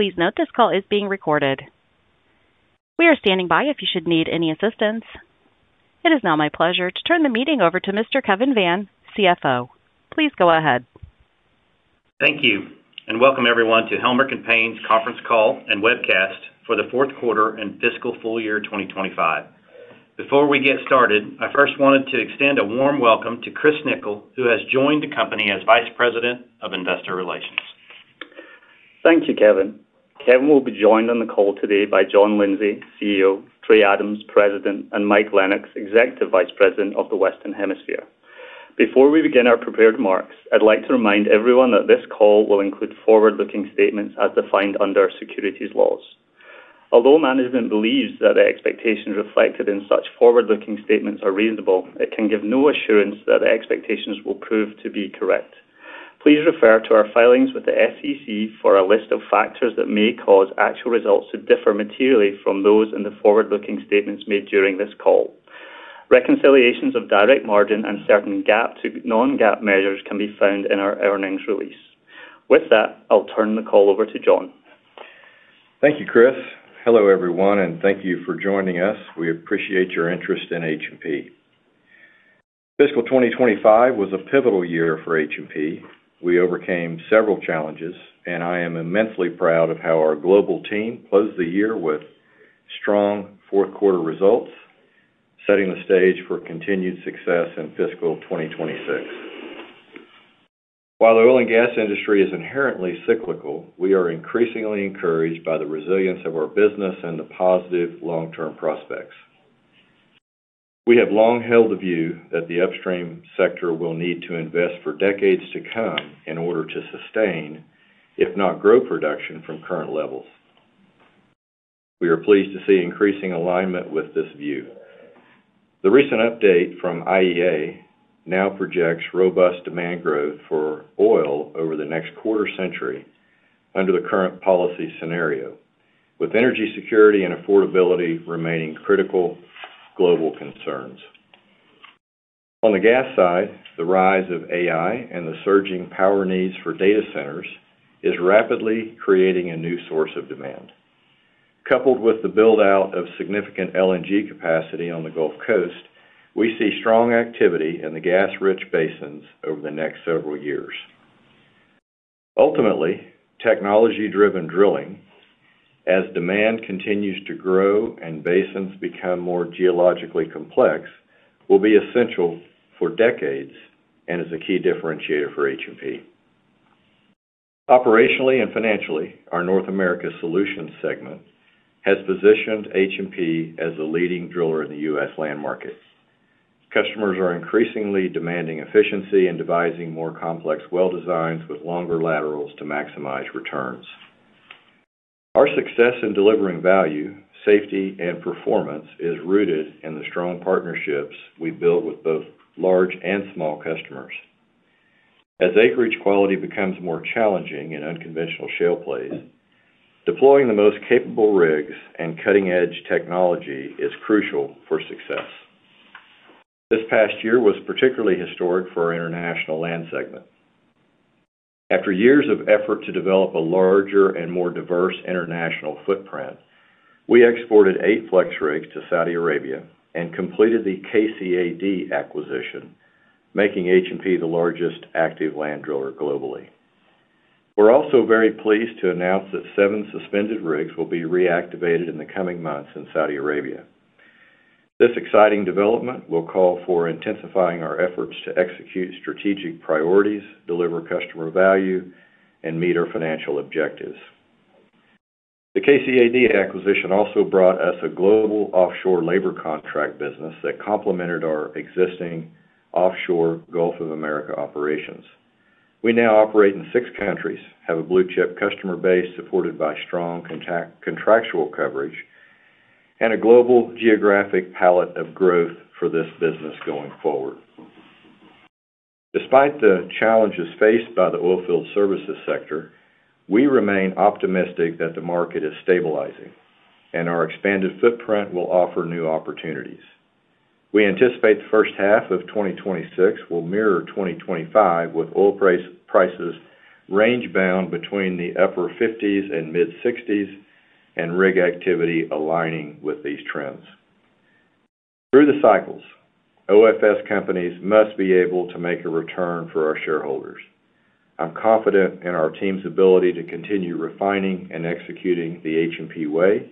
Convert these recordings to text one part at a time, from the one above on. Please note this call is being recorded. We are standing by if you should need any assistance. It is now my pleasure to turn the meeting over to Mr. Kevin Vann, CFO. Please go ahead. Thank you. Welcome, everyone, to Helmerich & Payne's conference call and webcast for the fourth quarter and fiscal full year 2025. Before we get started, I first wanted to extend a warm welcome to Kris Nicol, who has joined the company as Vice President of Investor Relations. Thank you, Kevin. Kevin will be joined on the call today by John Lindsay, CEO, Trey Adams, President, and Mike Lennox, Executive Vice President of the Western Hemisphere. Before we begin our prepared marks, I'd like to remind everyone that this call will include forward-looking statements as defined under securities laws. Although management believes that the expectations reflected in such forward-looking statements are reasonable, it can give no assurance that the expectations will prove to be correct. Please refer to our filings with the SEC for a list of factors that may cause actual results to differ materially from those in the forward-looking statements made during this call. Reconciliations of direct margin and certain GAAP to non-GAAP measures can be found in our earnings release. With that, I'll turn the call over to John. Thank you, Kris. Hello, everyone, and thank you for joining us. We appreciate your interest in H&P. Fiscal 2025 was a pivotal year for H&P. We overcame several challenges, and I am immensely proud of how our global team closed the year with strong fourth-quarter results, setting the stage for continued success in fiscal 2026. While the oil and gas industry is inherently cyclical, we are increasingly encouraged by the resilience of our business and the positive long-term prospects. We have long held the view that the upstream sector will need to invest for decades to come in order to sustain, if not grow, production from current levels. We are pleased to see increasing alignment with this view. The recent update from IEA now projects robust demand growth for oil over the next quarter century under the current policy scenario, with energy security and affordability remaining critical global concerns. On the gas side, the rise of AI and the surging power needs for data centers is rapidly creating a new source of demand. Coupled with the build-out of significant LNG capacity on the Gulf Coast, we see strong activity in the gas-rich basins over the next several years. Ultimately, technology-driven drilling, as demand continues to grow and basins become more geologically complex, will be essential for decades and is a key differentiator for H&P. Operationally and financially, our North America Solutions segment has positioned H&P as the leading driller in the U.S. land market. Customers are increasingly demanding efficiency and devising more complex well designs with longer laterals to maximize returns. Our success in delivering value, safety, and performance is rooted in the strong partnerships we build with both large and small customers. As acreage quality becomes more challenging in unconventional shale plays, deploying the most capable rigs and cutting-edge technology is crucial for success. This past year was particularly historic for our international land segment. After years of effort to develop a larger and more diverse international footprint, we exported eight FlexRigs to Saudi Arabia and completed the KCA D acquisition, making H&P the largest active land driller globally. We're also very pleased to announce that seven suspended rigs will be reactivated in the coming months in Saudi Arabia. This exciting development will call for intensifying our efforts to execute strategic priorities, deliver customer value, and meet our financial objectives. The KCA D acquisition also brought us a global offshore labor contract business that complemented our existing offshore Gulf of Mexico operations. We now operate in six countries, have a blue-chip customer base supported by strong contractual coverage, and a global geographic palette of growth for this business going forward. Despite the challenges faced by the oilfield services sector, we remain optimistic that the market is stabilizing and our expanded footprint will offer new opportunities. We anticipate the first half of 2026 will mirror 2025, with oil prices rangebound between the upper $50s and mid-$60s and rig activity aligning with these trends. Through the cycles, OFS companies must be able to make a return for our shareholders. I'm confident in our team's ability to continue refining and executing the H&P way,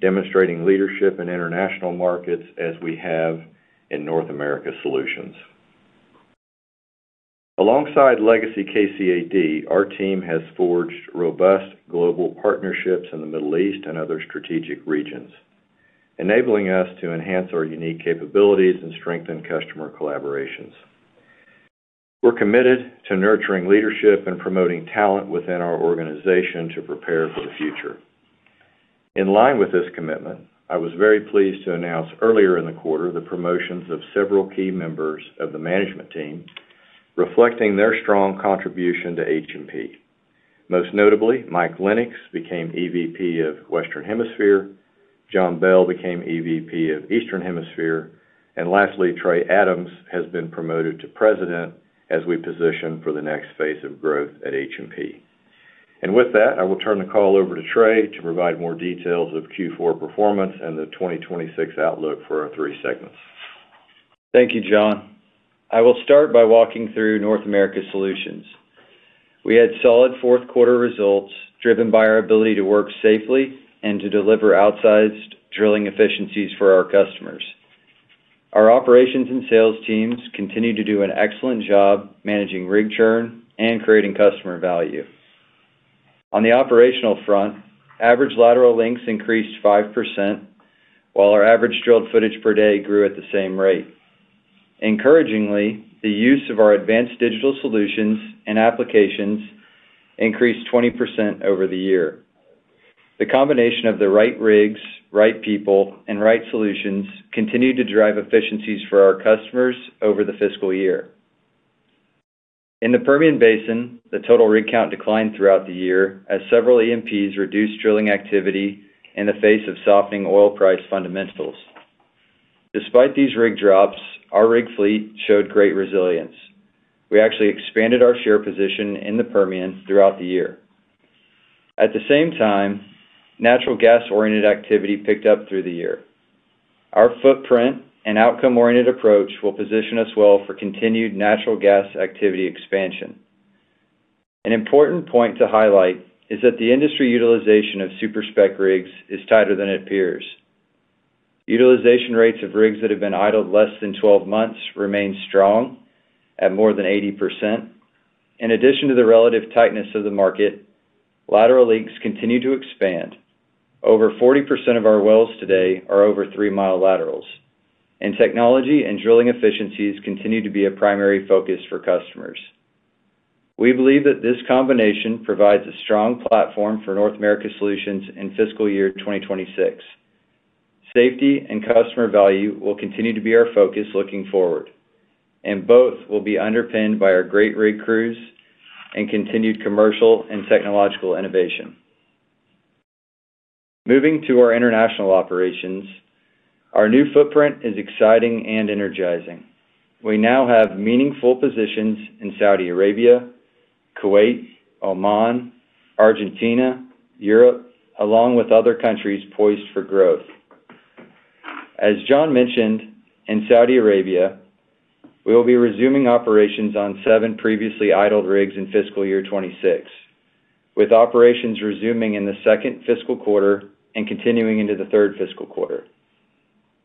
demonstrating leadership in international markets as we have in North America Solutions. Alongside legacy KCA D, our team has forged robust global partnerships in the Middle East and other strategic regions, enabling us to enhance our unique capabilities and strengthen customer collaborations. We're committed to nurturing leadership and promoting talent within our organization to prepare for the future. In line with this commitment, I was very pleased to announce earlier in the quarter the promotions of several key members of the management team, reflecting their strong contribution to H&P. Most notably, Mike Lennox became EVP of Western Hemisphere, John Bell became EVP of Eastern Hemisphere, and lastly, Trey Adams has been promoted to President as we position for the next phase of growth at H&P. I will turn the call over to Trey to provide more details of Q4 performance and the 2026 outlook for our three segments. Thank you, John. I will start by walking through North America Solutions. We had solid fourth-quarter results driven by our ability to work safely and to deliver outsized drilling efficiencies for our customers. Our operations and sales teams continue to do an excellent job managing rig churn and creating customer value. On the operational front, average lateral lengths increased 5%, while our average drilled footage per day grew at the same rate. Encouragingly, the use of our advanced digital solutions and applications increased 20% over the year. The combination of the right rigs, right people, and right solutions continued to drive efficiencies for our customers over the fiscal year. In the Permian Basin, the total rig count declined throughout the year as several E&Ps reduced drilling activity in the face of softening oil price fundamentals. Despite these rig drops, our rig fleet showed great resilience. We actually expanded our share position in the Permian throughout the year. At the same time, natural gas-oriented activity picked up through the year. Our footprint and outcome-oriented approach will position us well for continued natural gas activity expansion. An important point to highlight is that the industry utilization of super-spec rigs is tighter than it appears. Utilization rates of rigs that have been idled less than 12 months remain strong at more than 80%. In addition to the relative tightness of the market, lateral lengths continue to expand. Over 40% of our wells today are over three-mile laterals, and technology and drilling efficiencies continue to be a primary focus for customers. We believe that this combination provides a strong platform for North America Solutions in fiscal year 2026. Safety and customer value will continue to be our focus looking forward, and both will be underpinned by our great rig crews and continued commercial and technological innovation. Moving to our international operations, our new footprint is exciting and energizing. We now have meaningful positions in Saudi Arabia, Kuwait, Oman, Argentina, Europe, along with other countries poised for growth. As John mentioned, in Saudi Arabia, we will be resuming operations on seven previously idled rigs in fiscal year 2026, with operations resuming in the second fiscal quarter and continuing into the third fiscal quarter.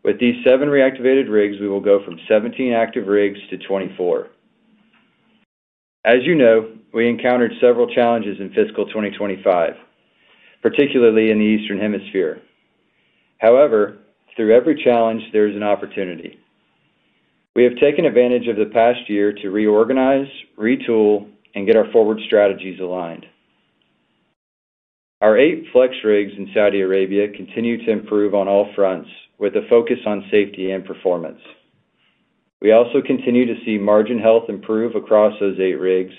With these seven reactivated rigs, we will go from 17 active rigs to 24. As you know, we encountered several challenges in fiscal 2025, particularly in the Eastern Hemisphere. However, through every challenge, there is an opportunity. We have taken advantage of the past year to reorganize, retool, and get our forward strategies aligned. Our eight FlexRigs in Saudi Arabia continue to improve on all fronts with a focus on safety and performance. We also continue to see margin health improve across those eight rigs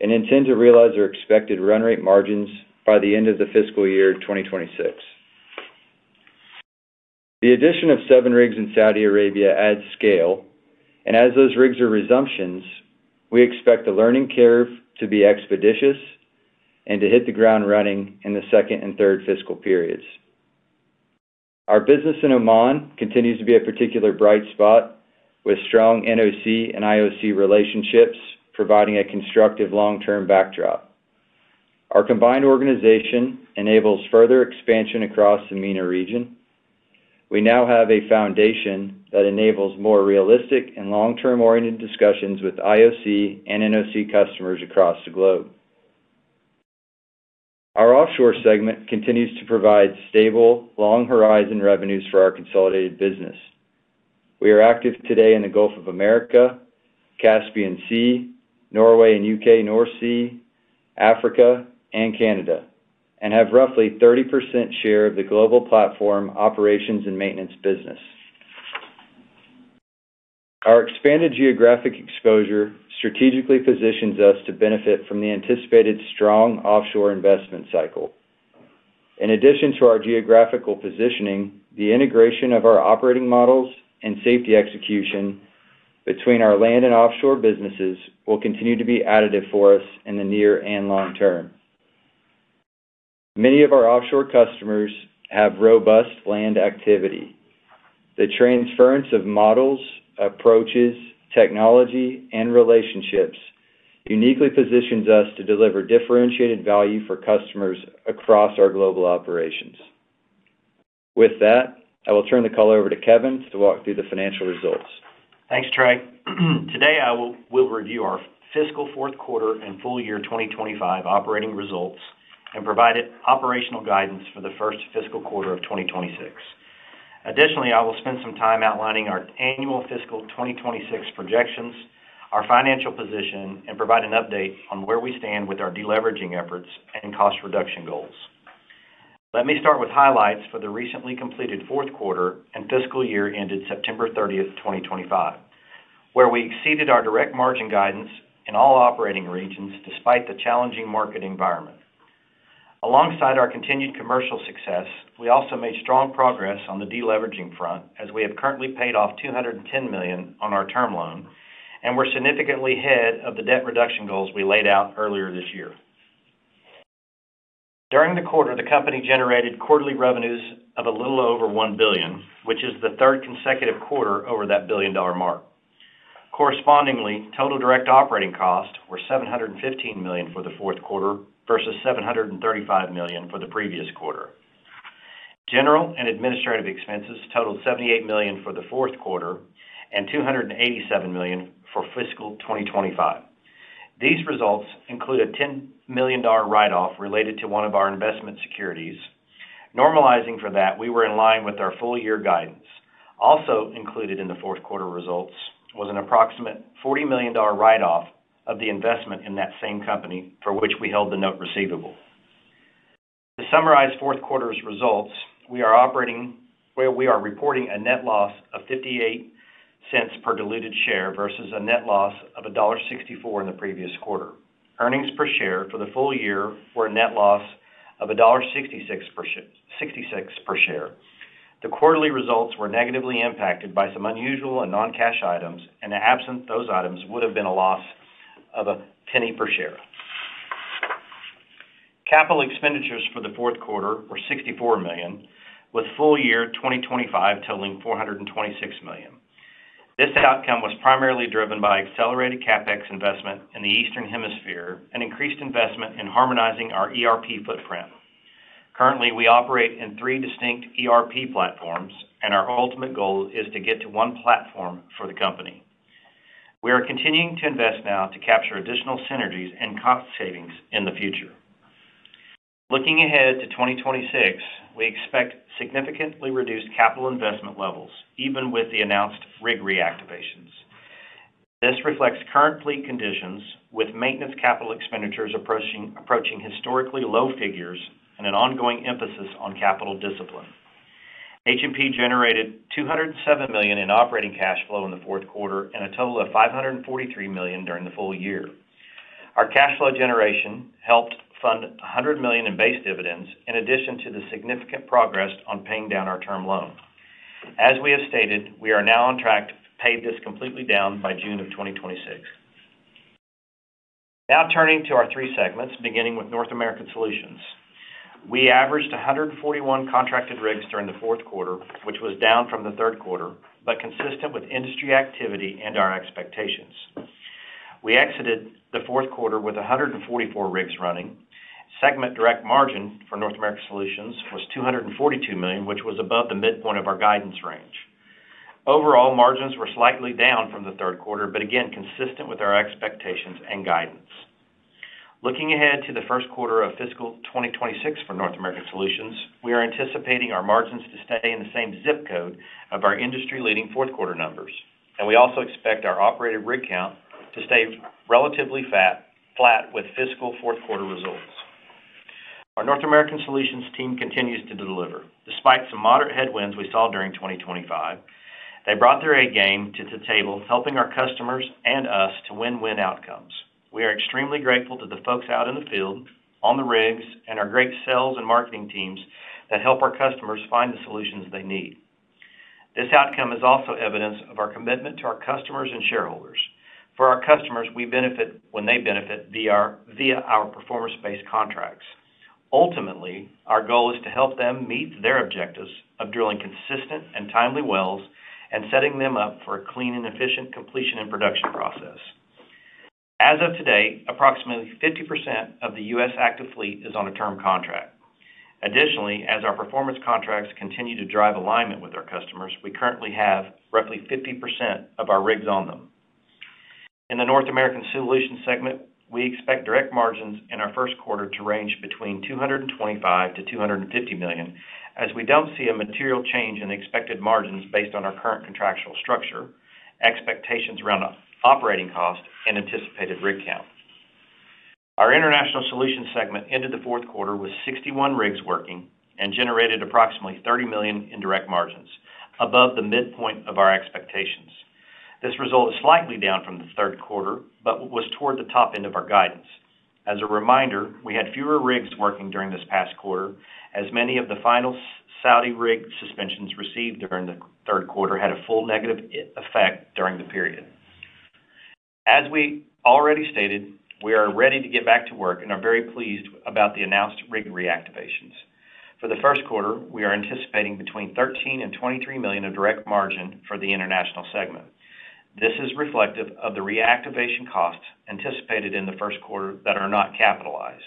and intend to realize our expected run rate margins by the end of the fiscal year 2026. The addition of seven rigs in Saudi Arabia adds scale, and as those rigs are resumptions, we expect the learning curve to be expeditious and to hit the ground running in the second and third fiscal periods. Our business in Oman continues to be a particular bright spot, with strong NOC and IOC relationships providing a constructive long-term backdrop. Our combined organization enables further expansion across the MENA region. We now have a foundation that enables more realistic and long-term-oriented discussions with IOC and NOC customers across the globe. Our offshore segment continues to provide stable, long-horizon revenues for our consolidated business. We are active today in the Gulf of Mexico, Caspian Sea, Norway and U.K. North Sea, Africa, and Canada, and have roughly 30% share of the global platform operations and maintenance business. Our expanded geographic exposure strategically positions us to benefit from the anticipated strong offshore investment cycle. In addition to our geographical positioning, the integration of our operating models and safety execution between our land and offshore businesses will continue to be additive for us in the near and long term. Many of our offshore customers have robust land activity. The transference of models, approaches, technology, and relationships uniquely positions us to deliver differentiated value for customers across our global operations. With that, I will turn the call over to Kevin to walk through the financial results. Thanks, Trey. Today, I will review our fiscal fourth quarter and full year 2025 operating results and provide operational guidance for the first fiscal quarter of 2026. Additionally, I will spend some time outlining our annual fiscal 2026 projections, our financial position, and provide an update on where we stand with our deleveraging efforts and cost reduction goals. Let me start with highlights for the recently completed fourth quarter and fiscal year ended September 30, 2025, where we exceeded our direct margin guidance in all operating regions despite the challenging market environment. Alongside our continued commercial success, we also made strong progress on the deleveraging front as we have currently paid off $210 million on our term loan and were significantly ahead of the debt reduction goals we laid out earlier this year. During the quarter, the company generated quarterly revenues of a little over $1 billion, which is the third consecutive quarter over that billion-dollar mark. Correspondingly, total direct operating costs were $715 million for the fourth quarter versus $735 million for the previous quarter. General and administrative expenses totaled $78 million for the fourth quarter and $287 million for fiscal 2025. These results include a $10 million write-off related to one of our investment securities. Normalizing for that, we were in line with our full year guidance. Also included in the fourth quarter results was an approximate $40 million write-off of the investment in that same company for which we held the note receivable. To summarize fourth quarter's results, we are reporting a net loss of $0.58 per diluted share versus a net loss of $1.64 in the previous quarter. Earnings per share for the full year were a net loss of $1.66 per share. The quarterly results were negatively impacted by some unusual and non-cash items, and absent those items, would have been a loss of a penny per share. Capital expenditures for the fourth quarter were $64 million, with full year 2025 totaling $426 million. This outcome was primarily driven by accelerated CapEx investment in the Eastern Hemisphere and increased investment in harmonizing our ERP footprint. Currently, we operate in three distinct ERP platforms, and our ultimate goal is to get to one platform for the company. We are continuing to invest now to capture additional synergies and cost savings in the future. Looking ahead to 2026, we expect significantly reduced capital investment levels, even with the announced rig reactivations. This reflects current fleet conditions, with maintenance capital expenditures approaching historically low figures and an ongoing emphasis on capital discipline. H&P generated $207 million in operating cash flow in the fourth quarter and a total of $543 million during the full year. Our cash flow generation helped fund $100 million in base dividends, in addition to the significant progress on paying down our term loan. As we have stated, we are now on track to pay this completely down by June of 2026. Now turning to our three segments, beginning with North America Solutions. We averaged 141 contracted rigs during the fourth quarter, which was down from the third quarter, but consistent with industry activity and our expectations. We exited the fourth quarter with 144 rigs running. Segment direct margin for North America Solutions was $242 million, which was above the midpoint of our guidance range. Overall, margins were slightly down from the third quarter, but again, consistent with our expectations and guidance. Looking ahead to the first quarter of fiscal 2026 for North America Solutions, we are anticipating our margins to stay in the same zip code of our industry-leading fourth quarter numbers, and we also expect our operated rig count to stay relatively flat with fiscal fourth quarter results. Our North America Solutions team continues to deliver. Despite some moderate headwinds we saw during 2025, they brought their A-game to the table, helping our customers and us to win-win outcomes. We are extremely grateful to the folks out in the field, on the rigs, and our great sales and marketing teams that help our customers find the solutions they need. This outcome is also evidence of our commitment to our customers and shareholders. For our customers, we benefit when they benefit via our performance-based contracts. Ultimately, our goal is to help them meet their objectives of drilling consistent and timely wells and setting them up for a clean and efficient completion and production process. As of today, approximately 50% of the U.S. active fleet is on a term contract. Additionally, as our performance contracts continue to drive alignment with our customers, we currently have roughly 50% of our rigs on them. In the North American Solutions segment, we expect direct margins in our first quarter to range between $225 million-$250 million, as we do not see a material change in expected margins based on our current contractual structure, expectations around operating costs, and anticipated rig count. Our International Solutions segment ended the fourth quarter with 61 rigs working and generated approximately $30 million in direct margins, above the midpoint of our expectations. This result is slightly down from the third quarter, but was toward the top end of our guidance. As a reminder, we had fewer rigs working during this past quarter, as many of the final Saudi rig suspensions received during the third quarter had a full negative effect during the period. As we already stated, we are ready to get back to work and are very pleased about the announced rig reactivations. For the first quarter, we are anticipating between $13 million and $23 million of direct margin for the international segment. This is reflective of the reactivation costs anticipated in the first quarter that are not capitalized.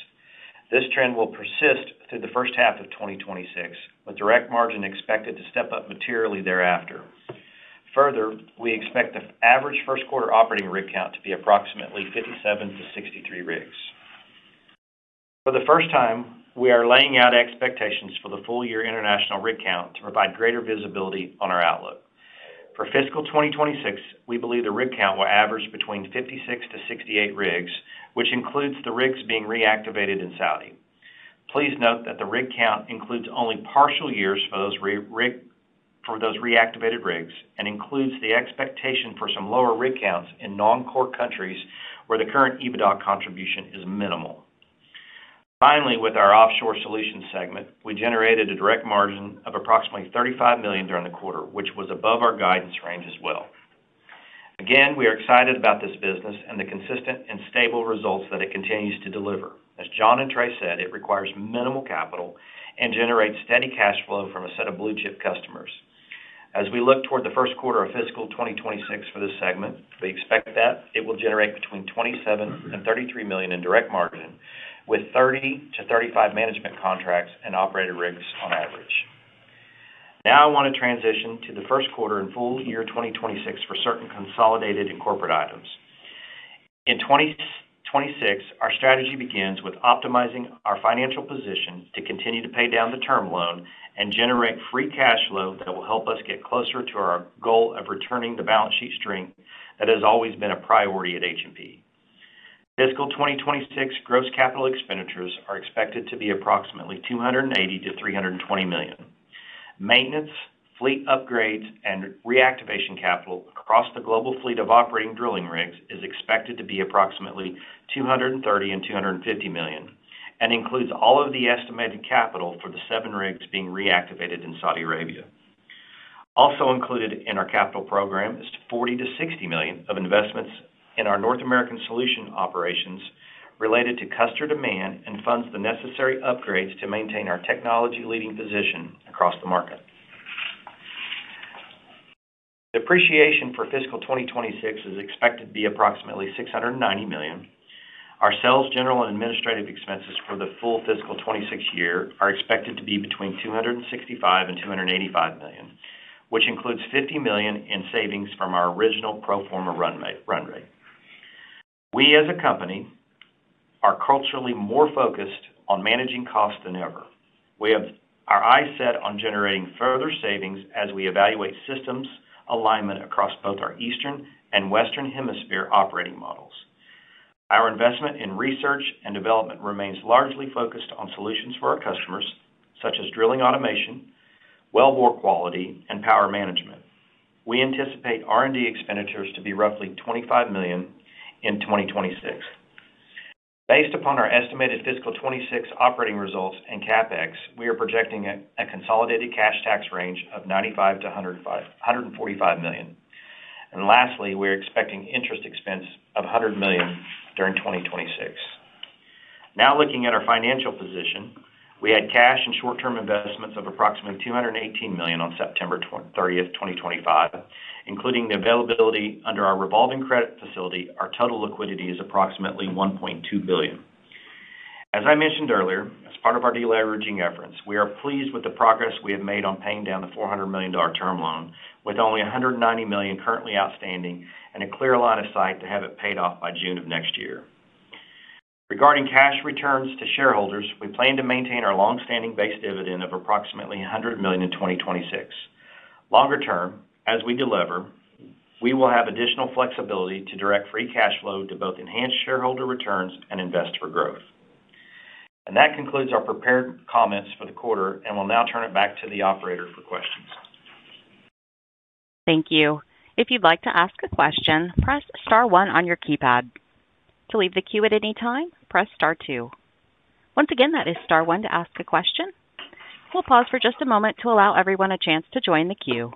This trend will persist through the first half of 2026, with direct margin expected to step up materially thereafter. Further, we expect the average first quarter operating rig count to be approximately 57 rigs-63 rigs. For the first time, we are laying out expectations for the full year international rig count to provide greater visibility on our outlook. For fiscal 2026, we believe the rig count will average between 56 rigs-68 rigs, which includes the rigs being reactivated in Saudi. Please note that the rig count includes only partial years for those reactivated rigs and includes the expectation for some lower rig counts in non-core countries where the current EBITDA contribution is minimal. Finally, with our offshore solutions segment, we generated a direct margin of approximately $35 million during the quarter, which was above our guidance range as well. Again, we are excited about this business and the consistent and stable results that it continues to deliver. As John and Trey said, it requires minimal capital and generates steady cash flow from a set of blue-chip customers. As we look toward the first quarter of fiscal 2026 for this segment, we expect that it will generate between $27 million and $33 million in direct margin, with 30-35 management contracts and operated rigs on average. Now I want to transition to the first quarter and full year 2026 for certain consolidated and corporate items. In 2026, our strategy begins with optimizing our financial position to continue to pay down the term loan and generate free cash flow that will help us get closer to our goal of returning the balance sheet strength that has always been a priority at H&P. Fiscal 2026 gross capital expenditures are expected to be approximately $280 million-$320 million. Maintenance, fleet upgrades, and reactivation capital across the global fleet of operating drilling rigs is expected to be approximately $230 million-$250 million and includes all of the estimated capital for the seven rigs being reactivated in Saudi Arabia. Also included in our capital program is $40 million-$60 million of investments in our North American Solution operations related to customer demand and funds the necessary upgrades to maintain our technology-leading position across the market. The depreciation for fiscal 2026 is expected to be approximately $690 million. Our sales, general, and administrative expenses for the full fiscal 2026 year are expected to be between $265 million and $285 million, which includes $50 million in savings from our original pro forma run rate. We, as a company, are culturally more focused on managing costs than ever. We have our eyes set on generating further savings as we evaluate systems alignment across both our Eastern and Western Hemisphere operating models. Our investment in research and development remains largely focused on solutions for our customers, such as drilling automation, wellbore quality, and power management. We anticipate R&D expenditures to be roughly $25 million in 2026. Based upon our estimated fiscal 2026 operating results and CapEx, we are projecting a consolidated cash tax range of $95 million-$145 million. Lastly, we are expecting interest expense of $100 million during 2026. Now looking at our financial position, we had cash and short-term investments of approximately $218 million on September 30th, 2025, including the availability under our revolving credit facility. Our total liquidity is approximately $1.2 billion. As I mentioned earlier, as part of our deleveraging efforts, we are pleased with the progress we have made on paying down the $400 million term loan, with only $190 million currently outstanding and a clear line of sight to have it paid off by June of next year. Regarding cash returns to shareholders, we plan to maintain our long-standing base dividend of approximately $100 million in 2026. Longer term, as we deliver, we will have additional flexibility to direct free cash flow to both enhance shareholder returns and invest for growth. That concludes our prepared comments for the quarter, and we'll now turn it back to the operator for questions. Thank you. If you'd like to ask a question, press star one on your keypad. To leave the queue at any time, press star two. Once again, that is star two to ask a question. We'll pause for just a moment to allow everyone a chance to join the queue.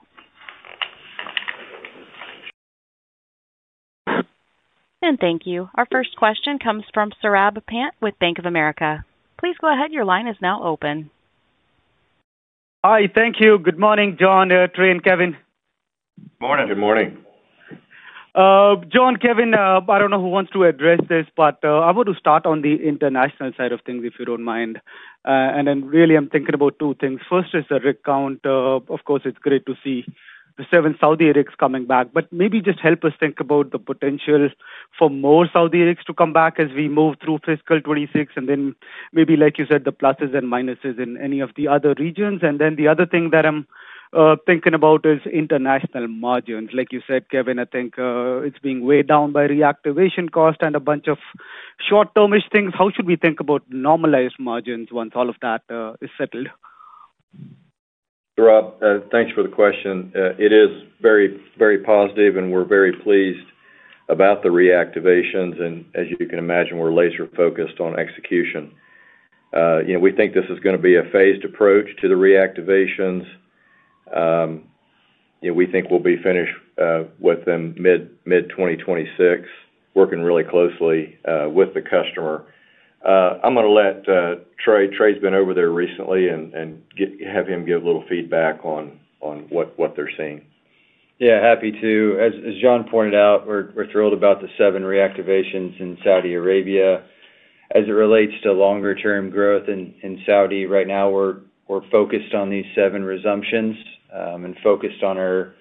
Thank you. Our first question comes from Saurabh Pant with Bank of America. Please go ahead. Your line is now open. Hi. Thank you. Good morning, John, Trey, and Kevin. Good morning. Good morning. John, Kevin, I do not know who wants to address this, but I want to start on the international side of things, if you do not mind. I am really thinking about two things. First is the rig count. Of course, it is great to see the seven Saudi rigs coming back, but maybe just help us think about the potential for more Saudi rigs to come back as we move through fiscal 2026 and then maybe, like you said, the pluses and minuses in any of the other regions. The other thing that I am thinking about is international margins. Like you said, Kevin, I think it is being weighed down by reactivation cost and a bunch of short-termish things. How should we think about normalized margins once all of that is settled? Thanks for the question. It is very, very positive, and we're very pleased about the reactivations. As you can imagine, we're laser-focused on execution. We think this is going to be a phased approach to the reactivations. We think we'll be finished with them mid-2026, working really closely with the customer. I'm going to let Trey. Trey's been over there recently and have him give a little feedback on what they're seeing. Yeah, happy to. As John pointed out, we're thrilled about the seven reactivations in Saudi Arabia. As it relates to longer-term growth in Saudi, right now, we're focused on these seven resumptions and focused on our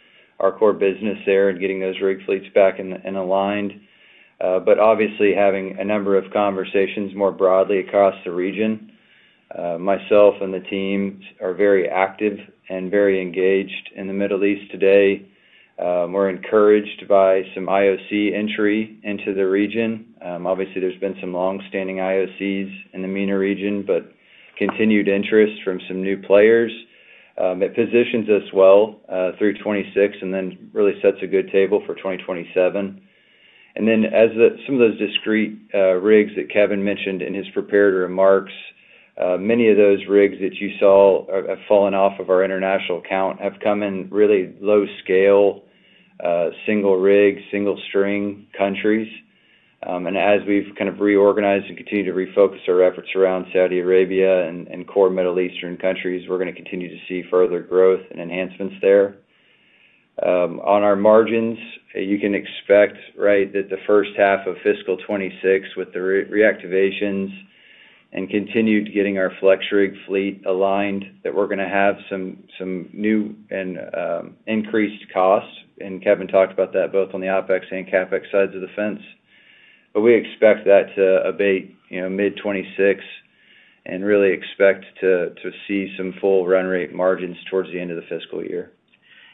core business there and getting those rig fleets back and aligned. Obviously, having a number of conversations more broadly across the region, myself and the team are very active and very engaged in the Middle East today. We're encouraged by some IOC entry into the region. Obviously, there's been some long-standing IOCs in the MENA region, but continued interest from some new players. It positions us well through 2026 and then really sets a good table for 2027. As some of those discrete rigs that Kevin mentioned in his prepared remarks, many of those rigs that you saw have fallen off of our international count have come in really low-scale single-rig, single-string countries. As we have kind of reorganized and continued to refocus our efforts around Saudi Arabia and core Middle Eastern countries, we are going to continue to see further growth and enhancements there. On our margins, you can expect that the first half of fiscal 2026 with the reactivations and continued getting our FlexRig fleet aligned, we are going to have some new and increased costs. Kevin talked about that both on the ApEx and CapEx sides of the fence. We expect that to abate mid-2026 and really expect to see some full run rate margins towards the end of the fiscal year.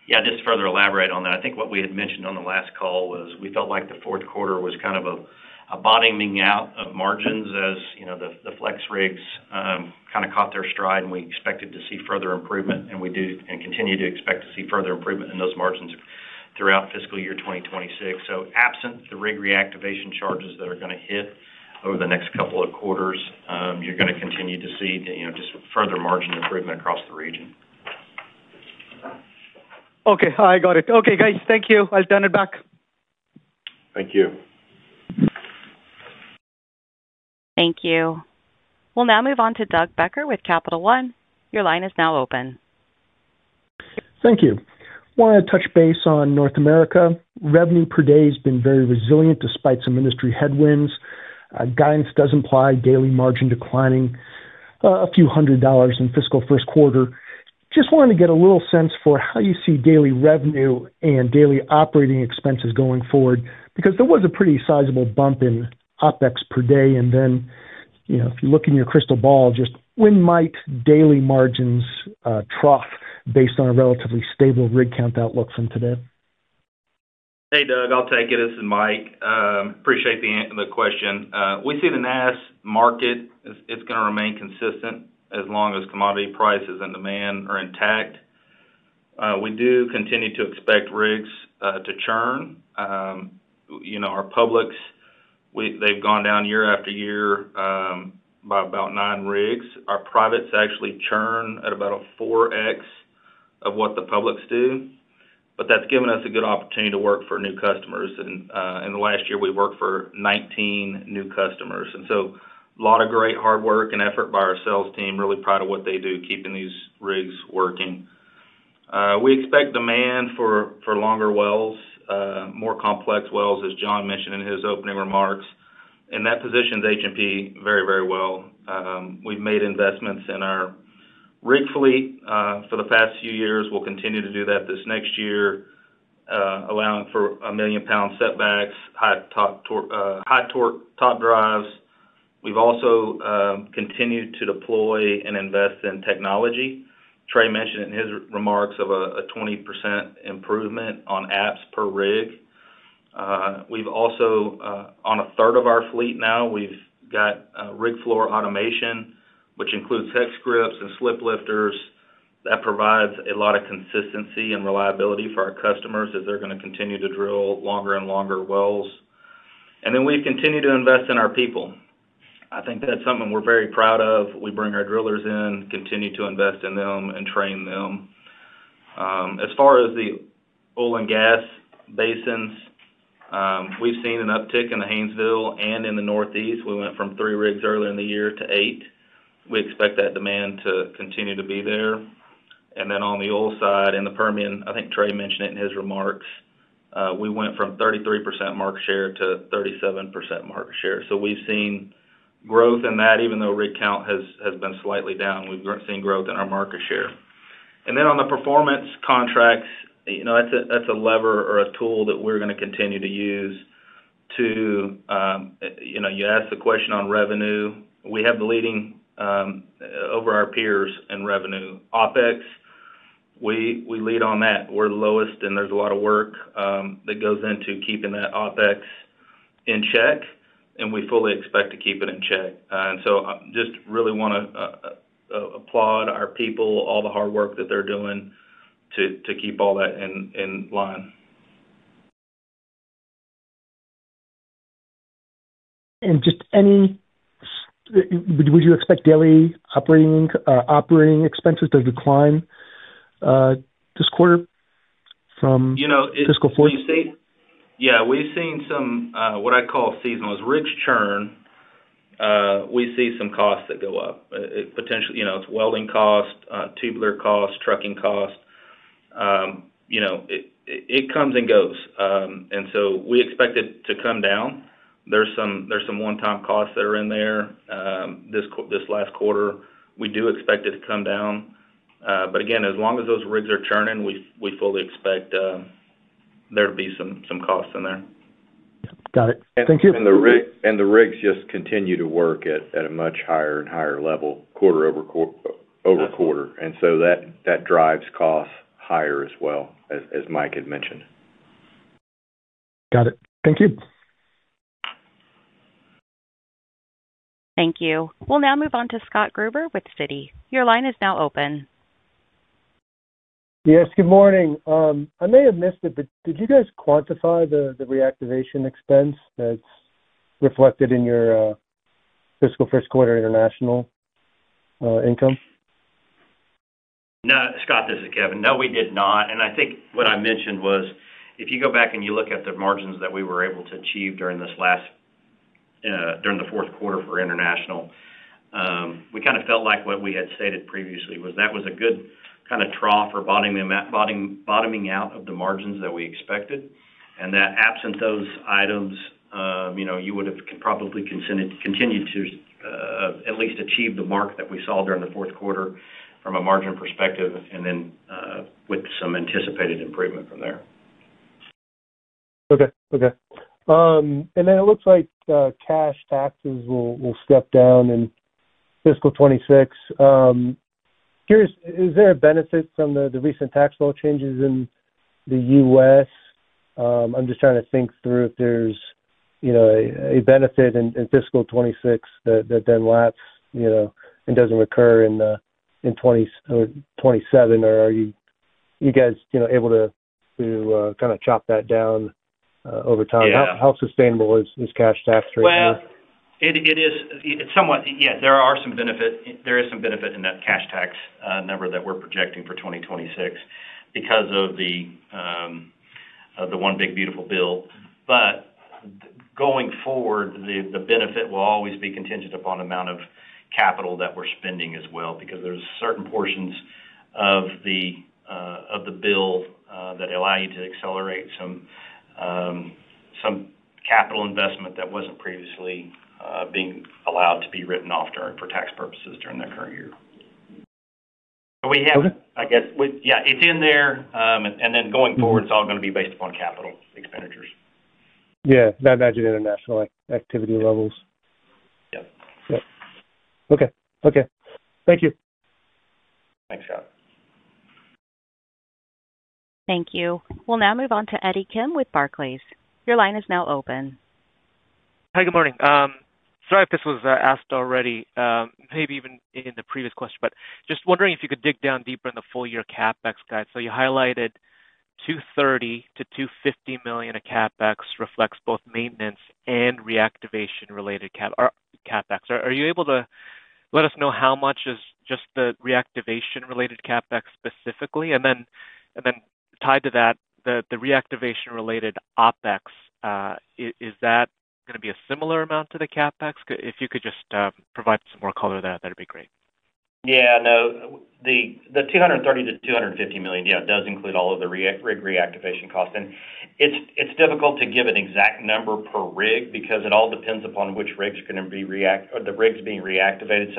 Yeah, just to further elaborate on that, I think what we had mentioned on the last call was we felt like the fourth quarter was kind of a bottoming out of margins as the FlexRigs kind of caught their stride, and we expected to see further improvement, and we do and continue to expect to see further improvement in those margins throughout fiscal year 2026. Absent the rig reactivation charges that are going to hit over the next couple of quarters, you're going to continue to see just further margin improvement across the region. Okay. I got it. Okay, guys, thank you. I'll turn it back. Thank you. Thank you. We'll now move on to Doug Becker with Capital One. Your line is now open. Thank you. Want to touch base on North America. Revenue per day has been very resilient despite some industry headwinds. Guidance does imply daily margin declining a few hundred dollars in fiscal first quarter. Just wanted to get a little sense for how you see daily revenue and daily operating expenses going forward because there was a pretty sizable bump in ApEx per day. If you look in your crystal ball, just when might daily margins trough based on a relatively stable rig count outlook from today? Hey, Doug, I'll take it. This is Mike. Appreciate the question. We see the NAS market. It's going to remain consistent as long as commodity prices and demand are intact. We do continue to expect rigs to churn. Our publics, they've gone down year after year by about nine rigs. Our privates actually churn at about a 4x of what the publics do. That has given us a good opportunity to work for new customers. In the last year, we've worked for 19 new customers. A lot of great hard work and effort by our sales team. Really proud of what they do, keeping these rigs working. We expect demand for longer wells, more complex wells, as John mentioned in his opening remarks. That positions H&P very, very well. We've made investments in our rig fleet for the past few years. We'll continue to do that this next year, allowing for a million-pound setbacks, high torque top drives. We've also continued to deploy and invest in technology. Trey mentioned in his remarks of a 20% improvement on apps per rig. On a third of our fleet now, we've got rig floor automation, which includes hex grips and slip lifters. That provides a lot of consistency and reliability for our customers as they're going to continue to drill longer and longer wells. We've continued to invest in our people. I think that's something we're very proud of. We bring our drillers in, continue to invest in them, and train them. As far as the oil and gas basins, we've seen an uptick in the Haynesville and in the Northeast. We went from three rigs earlier in the year to eight. We expect that demand to continue to be there. On the oil side in the Permian, I think Trey mentioned it in his remarks, we went from 33% market share to 37% market share. We have seen growth in that, even though rig count has been slightly down. We have seen growth in our market share. On the performance contracts, that is a lever or a tool that we are going to continue to use. You asked the question on revenue. We have the leading over our peers in revenue. ApEx, we lead on that. We are lowest, and there is a lot of work that goes into keeping that ApEx in check, and we fully expect to keep it in check. I just really want to applaud our people, all the hard work that they are doing to keep all that in line. Would you expect daily operating expenses to decline this quarter from fiscal 2014? Yeah. We've seen some what I call seasonal. As rigs churn, we see some costs that go up. Potentially, it's welding cost, tubular cost, trucking cost. It comes and goes. We expect it to come down. There's some one-time costs that are in there this last quarter. We do expect it to come down. Again, as long as those rigs are churning, we fully expect there to be some costs in there. Got it. Thank you. The rigs just continue to work at a much higher and higher level quarter over quarter. That drives costs higher as well, as Mike had mentioned. Got it. Thank you. Thank you. We'll now move on to Scott Gruber with Citi. Your line is now open. Yes, good morning. I may have missed it, but did you guys quantify the reactivation expense that's reflected in your fiscal first quarter international income? No, Scott, this is Kevin. No, we did not. I think what I mentioned was, if you go back and you look at the margins that we were able to achieve during the fourth quarter for international, we kind of felt like what we had stated previously was that was a good kind of trough or bottoming out of the margins that we expected. That absent those items, you would have probably continued to at least achieve the mark that we saw during the fourth quarter from a margin perspective and then with some anticipated improvement from there. Okay. Okay. It looks like cash taxes will step down in fiscal 2026. Is there a benefit from the recent tax law changes in the U.S.? I'm just trying to think through if there's a benefit in fiscal 2026 that then lapses and does not recur in 2027. Are you guys able to kind of chop that down over time? How sustainable is cash tax rate now? Yeah, there are some benefits. There is some benefit in that cash tax number that we're projecting for 2026 because of the one big beautiful bill. Going forward, the benefit will always be contingent upon the amount of capital that we're spending as well because there are certain portions of the bill that allow you to accelerate some capital investment that was not previously being allowed to be written off for tax purposes during that current year. So we have, I guess, yeah, it is in there. Then going forward, it is all going to be based upon capital expenditures. Yeah. I imagine international activity levels. Yep. Yep. Okay. Thank you. Thanks, Scott. Thank you. We'll now move on to Eddie Kim with Barclays. Your line is now open. Hi, good morning. Sorry if this was asked already, maybe even in the previous question, but just wondering if you could dig down deeper in the full-year CapEx guide. You highlighted $230 million-$250 million of CapEx reflects both maintenance and reactivation-related CapEx. Are you able to let us know how much is just the reactivation-related CapEx specifically? Tied to that, the reactivation-related OpEx, is that going to be a similar amount to the CapEx? If you could just provide some more color there, that would be great. Yeah. No, the $230 million-$250 million, yeah, does include all of the rig reactivation costs. It's difficult to give an exact number per rig because it all depends upon which rigs are going to be the rigs being reactivated.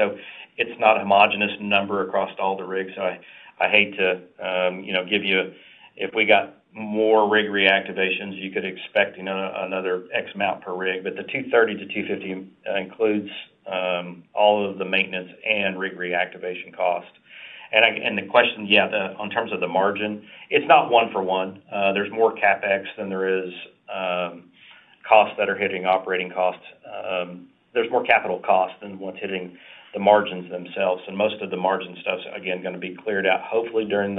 It's not a homogenous number across all the rigs. I hate to give you if we got more rig reactivations, you could expect another X amount per rig. The $230 million-$250 million includes all of the maintenance and rig reactivation costs. The question, yeah, in terms of the margin, it's not one-for-one. There's more CapEx than there is costs that are hitting operating costs. There's more capital costs than what's hitting the margins themselves. Most of the margin stuff's, again, going to be cleared out hopefully during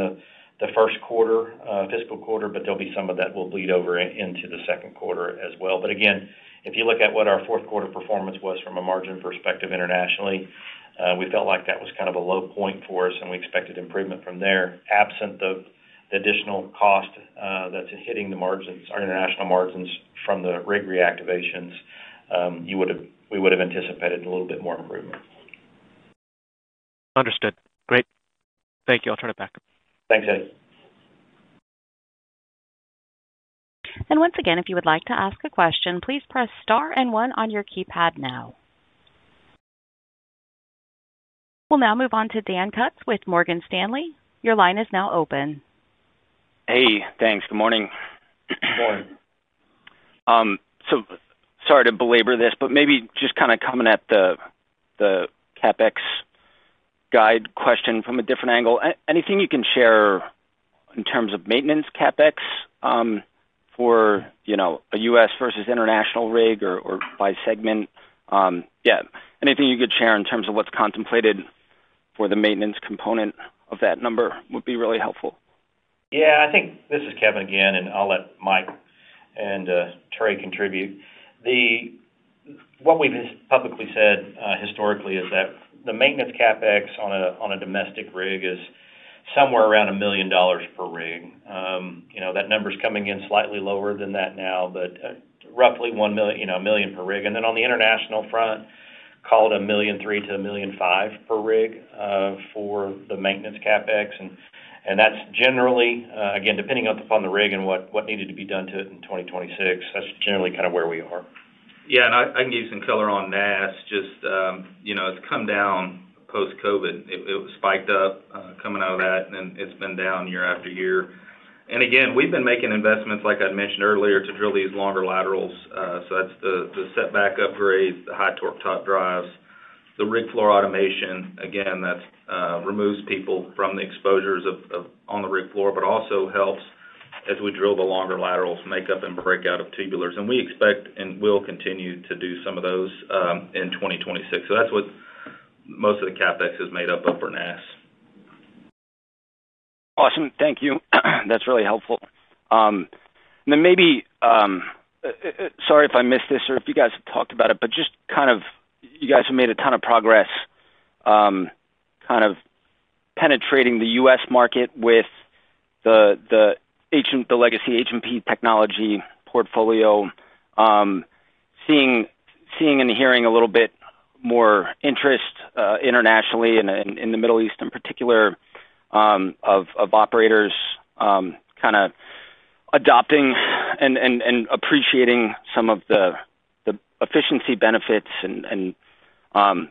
the first quarter, fiscal quarter, but there'll be some of that will bleed over into the second quarter as well. Again, if you look at what our fourth quarter performance was from a margin perspective internationally, we felt like that was kind of a low point for us, and we expected improvement from there. Absent the additional cost that's hitting the margins, our international margins from the rig reactivations, we would have anticipated a little bit more improvement. Understood. Great. Thank you. I'll turn it back. Thanks, Eddie. Once again, if you would like to ask a question, please press star and one on your keypad now. We will now move on to Dan Kutz with Morgan Stanley. Your line is now open. Hey. Thanks. Good morning. Good morning. Sorry to belabor this, but maybe just kind of coming at the CapEx guide question from a different angle. Anything you can share in terms of maintenance CapEx for a U.S. versus international rig or by segment? Yeah. Anything you could share in terms of what's contemplated for the maintenance component of that number would be really helpful. Yeah. I think this is Kevin again, and I'll let Mike and Trey contribute. What we've publicly said historically is that the maintenance CapEx on a domestic rig is somewhere around $1 million per rig. That number's coming in slightly lower than that now, but roughly $1 million per rig. And then on the international front, called $1.3 million-$1.5 million per rig for the maintenance CapEx. And that's generally, again, depending upon the rig and what needed to be done to it in 2026, that's generally kind of where we are. Yeah. I can give you some color on NAS, just it's come down post-COVID. It spiked up coming out of that, and then it's been down year after year. Again, we've been making investments, like I'd mentioned earlier, to drill these longer laterals. That's the setback upgrades, the high torque top drives, the rig floor automation. That removes people from the exposures on the rig floor, but also helps as we drill the longer laterals, make up and break out of tubulars. We expect and will continue to do some of those in 2026. That's what most of the CapEx is made up of for NAS. Awesome. Thank you. That's really helpful. Maybe sorry if I missed this or if you guys have talked about it, but just kind of you guys have made a ton of progress kind of penetrating the U.S. market with the legacy H&P technology portfolio, seeing and hearing a little bit more interest internationally and in the Middle East in particular of operators kind of adopting and appreciating some of the efficiency benefits and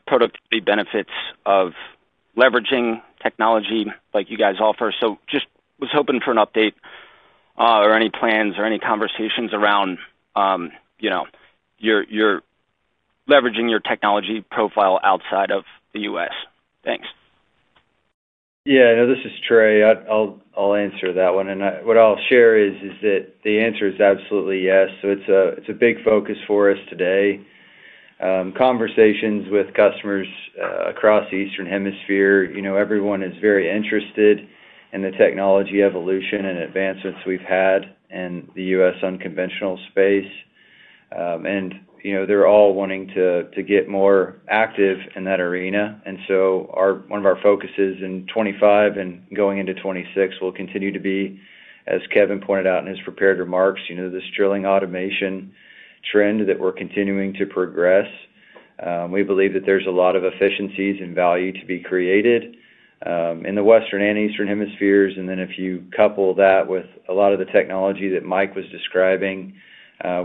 productivity benefits of leveraging technology like you guys offer. Just was hoping for an update or any plans or any conversations around you're leveraging your technology profile outside of the U.S. Thanks. Yeah. No, this is Trey. I'll answer that one. What I'll share is that the answer is absolutely yes. It's a big focus for us today. Conversations with customers across the Eastern Hemisphere, everyone is very interested in the technology evolution and advancements we've had in the U.S. unconventional space. They're all wanting to get more active in that arena. One of our focuses in 2025 and going into 2026 will continue to be, as Kevin pointed out in his prepared remarks, this drilling automation trend that we're continuing to progress. We believe that there's a lot of efficiencies and value to be created in the Western and Eastern Hemispheres. If you couple that with a lot of the technology that Mike was describing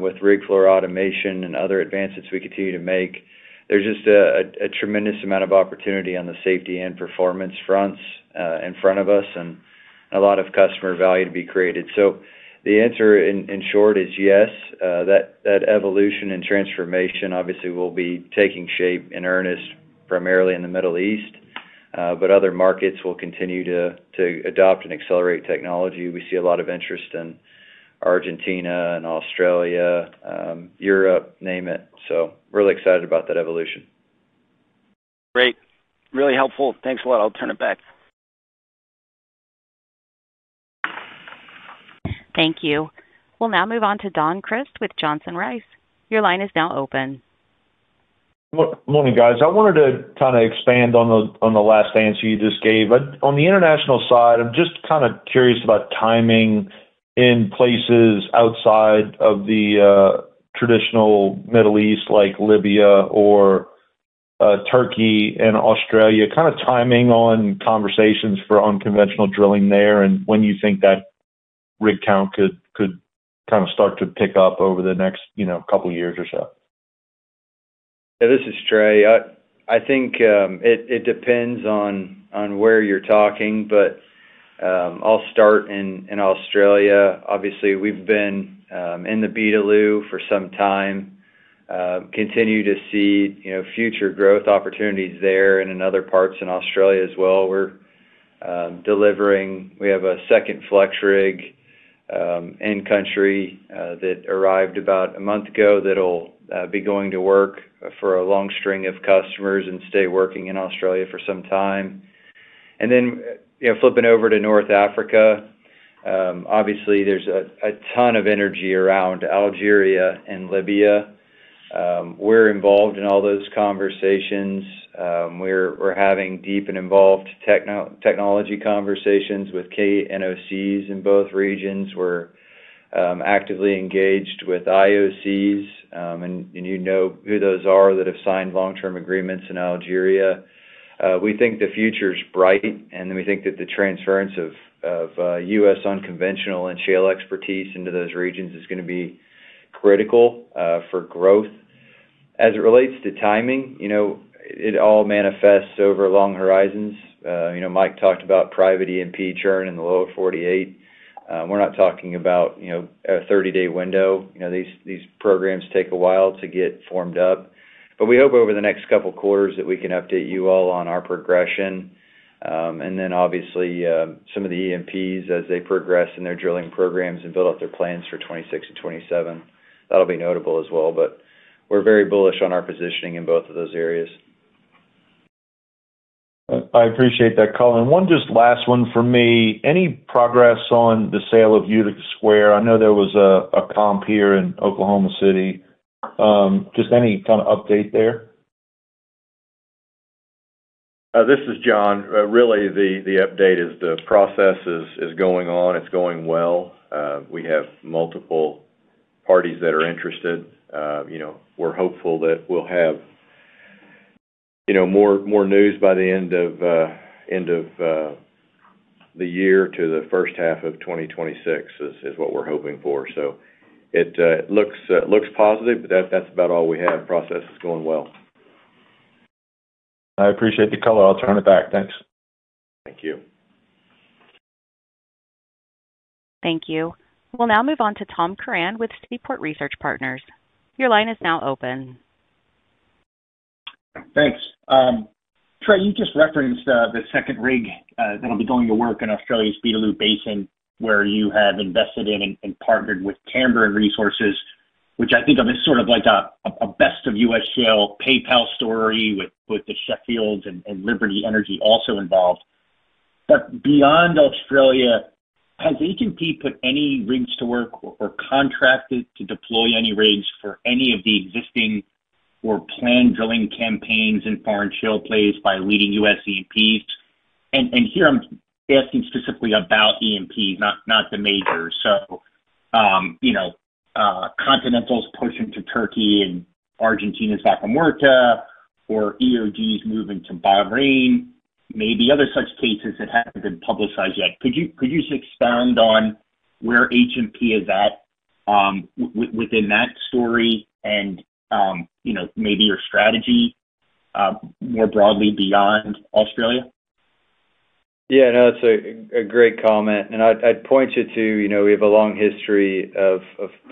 with rig floor automation and other advancements we continue to make, there is just a tremendous amount of opportunity on the safety and performance fronts in front of us and a lot of customer value to be created. The answer in short is yes. That evolution and transformation obviously will be taking shape in earnest, primarily in the Middle East, but other markets will continue to adopt and accelerate technology. We see a lot of interest in Argentina and Australia, Europe, name it. Really excited about that evolution. Great. Really helpful. Thanks a lot. I'll turn it back. Thank you. We'll now move on to Don Crist with Johnson Rice. Your line is now open. Morning, guys. I wanted to kind of expand on the last answer you just gave. On the international side, I'm just kind of curious about timing in places outside of the traditional Middle East like Libya or Turkey and Australia, kind of timing on conversations for unconventional drilling there and when you think that rig count could kind of start to pick up over the next couple of years or so. Yeah. This is Trey. I think it depends on where you're talking, but I'll start in Australia. Obviously, we've been in the Beetaloo for some time, continue to see future growth opportunities there and in other parts in Australia as well. We're delivering. We have a second FlexRig in-country that arrived about a month ago that'll be going to work for a long string of customers and stay working in Australia for some time. Flipping over to North Africa, obviously, there's a ton of energy around Algeria and Libya. We're involved in all those conversations. We're having deep and involved technology conversations with KNOCs in both regions. We're actively engaged with IOCs, and you know who those are that have signed long-term agreements in Algeria. We think the future is bright, and we think that the transference of U.S. unconventional and shale expertise into those regions is going to be critical for growth. As it relates to timing, it all manifests over long horizons. Mike talked about private E&P churn in the low of 48. We're not talking about a 30-day window. These programs take a while to get formed up. We hope over the next couple of quarters that we can update you all on our progression. Obviously, some of the E&Ps as they progress in their drilling programs and build out their plans for 2026 and 2027. That will be notable as well. We are very bullish on our positioning in both of those areas. I appreciate that color. One just last one for me. Any progress on the sale of Utica Square? I know there was a comp here in Oklahoma City. Just any kind of update there? This is John. Really, the update is the process is going on. It's going well. We have multiple parties that are interested. We're hopeful that we'll have more news by the end of the year to the first half of 2026 is what we're hoping for. It looks positive, but that's about all we have. Process is going well. I appreciate the color. I'll turn it back. Thanks. Thank you. Thank you. We'll now move on to Tom Curran with Seaport Research Partners. Your line is now open. Thanks. Trey, you just referenced the second rig that'll be going to work in Australia's Beetaloo Basin where you have invested in and partnered with Tamboran Resources, which I think of as sort of like a best-of-U.S. shale PayPal story with the Sheffields and Liberty Energy also involved. Beyond Australia, has H&P put any rigs to work or contracted to deploy any rigs for any of the existing or planned drilling campaigns in foreign shale plays by leading U.S. E&Ps? Here I'm asking specifically about E&Ps, not the majors. Continental's pushing to Turkey and Argentina's back in work, or EOG's moving to Bahrain, maybe other such cases that haven't been publicized yet. Could you just expand on where H&P is at within that story and maybe your strategy more broadly beyond Australia? Yeah. No, that's a great comment. I'd point you to we have a long history of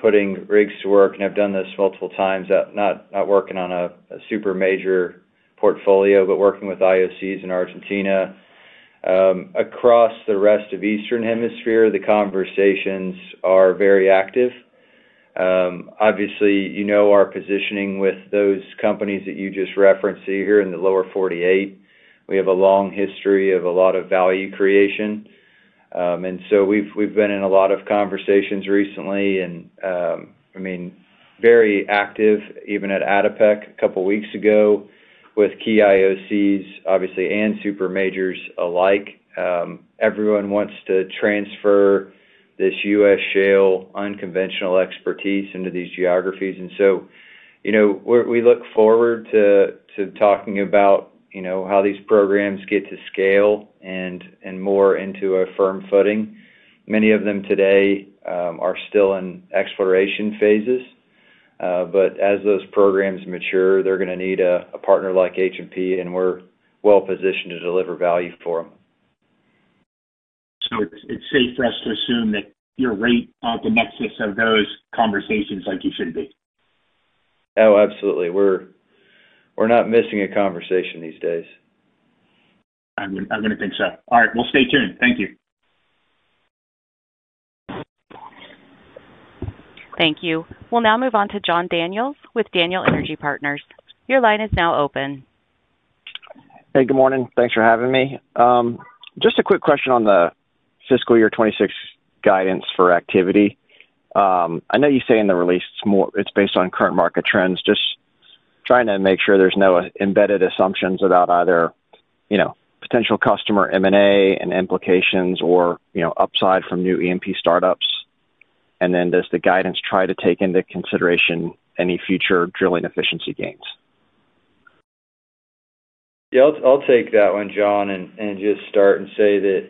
putting rigs to work, and I've done this multiple times, not working on a super major portfolio, but working with IOCs in Argentina. Across the rest of Eastern Hemisphere, the conversations are very active. Obviously, you know our positioning with those companies that you just referenced here in the lower 48. We have a long history of a lot of value creation. We've been in a lot of conversations recently and, I mean, very active, even at ADIPEC a couple of weeks ago with key IOCs, obviously, and super majors alike. Everyone wants to transfer this U.S. shale unconventional expertise into these geographies. We look forward to talking about how these programs get to scale and more into a firm footing. Many of them today are still in exploration phases, but as those programs mature, they're going to need a partner like H&P, and we're well-positioned to deliver value for them. So it's safe for us to assume that you're right at the nexus of those conversations like you should be. Oh, absolutely. We're not missing a conversation these days. I'm going to think so. All right. Stay tuned. Thank you. Thank you. We'll now move on to John Daniels with Daniel Energy Partners. Your line is now open. Hey, good morning. Thanks for having me. Just a quick question on the fiscal year 2026 guidance for activity. I know you say in the release it's based on current market trends, just trying to make sure there's no embedded assumptions about either potential customer M&A and implications or upside from new E&P startups. And then does the guidance try to take into consideration any future drilling efficiency gains? Yeah. I'll take that one, John, and just start and say that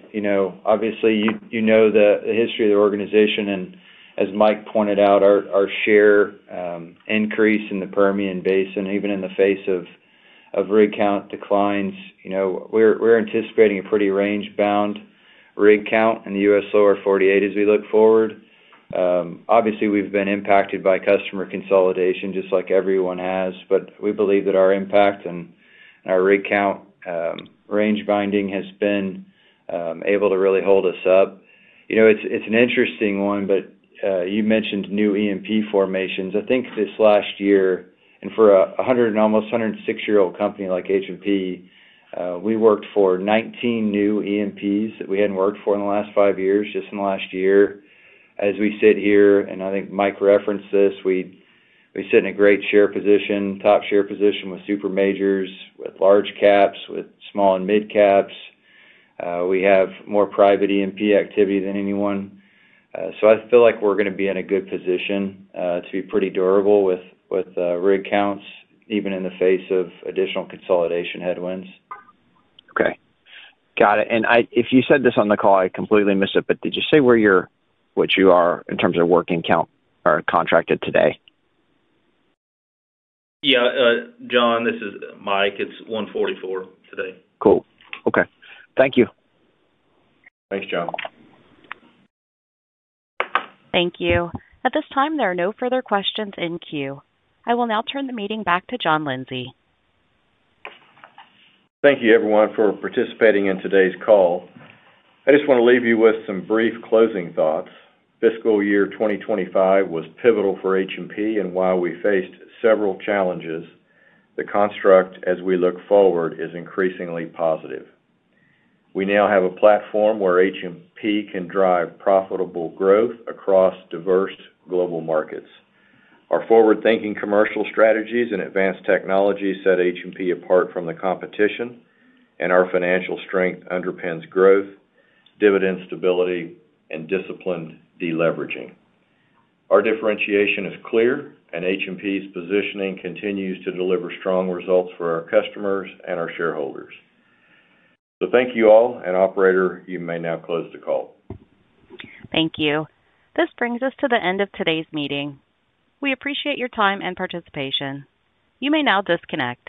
obviously, you know the history of the organization. As Mike pointed out, our share increase in the Permian Basin, even in the face of rig count declines, we're anticipating a pretty range-bound rig count in the U.S. lower 48 as we look forward. Obviously, we've been impacted by customer consolidation just like everyone has, but we believe that our impact and our rig count range binding has been able to really hold us up. It's an interesting one, but you mentioned new E&P formations. I think this last year, and for an almost 106-year-old company like H&P, we worked for 19 new E&Ps that we hadn't worked for in the last five years, just in the last year. As we sit here, and I think Mike referenced this, we sit in a great share position, top share position with super majors, with large caps, with small and mid caps. We have more private E&P activity than anyone. So I feel like we're going to be in a good position to be pretty durable with rig counts, even in the face of additional consolidation headwinds. Okay. Got it. If you said this on the call, I completely missed it, but did you say what you are in terms of working count or contracted today? Yeah. John, this is Mike. It's 1:44 today. Cool. Okay. Thank you. Thanks, John. Thank you. At this time, there are no further questions in queue. I will now turn the meeting back to John Lindsay. Thank you, everyone, for participating in today's call. I just want to leave you with some brief closing thoughts. Fiscal year 2025 was pivotal for H&P and while we faced several challenges. The construct, as we look forward, is increasingly positive. We now have a platform where H&P can drive profitable growth across diverse global markets. Our forward-thinking commercial strategies and advanced technologies set H&P apart from the competition, and our financial strength underpins growth, dividend stability, and disciplined deleveraging. Our differentiation is clear, and H&P's positioning continues to deliver strong results for our customers and our shareholders. Thank you all, and Operator, you may now close the call. Thank you. This brings us to the end of today's meeting. We appreciate your time and participation. You may now disconnect.